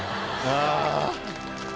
ああ。